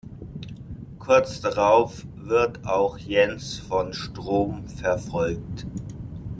Kurz darauf wird auch Jens von Strohm verfolgt.